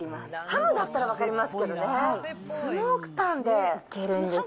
ハムだったら分かりますけどね、スモークタンで。